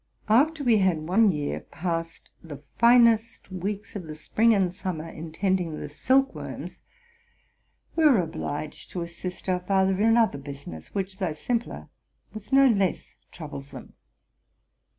After we had one year passed the finest weeks of the spring and summer in tending the silk worms, we were obliged to assist our father in another business, which, though simpler, was no less troublesome.